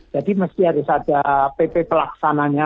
jadi mesti harus ada pp pelaksananya